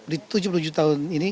di tujuh puluh tujuh tahun ini